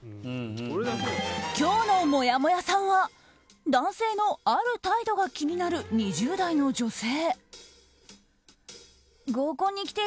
今日のもやもやさんは男性のある態度が気になる２０代の女性。